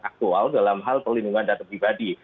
aktual dalam hal perlindungan data pribadi